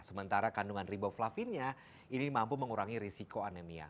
sementara kandungan riboflavinnya ini mampu mengurangi risiko anemia